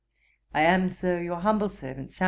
'I am, Sir, your humble servant, 'SAM.